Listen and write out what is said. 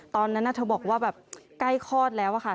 ตอนนั้นเธอบอกว่าแบบใกล้คลอดแล้วอะค่ะ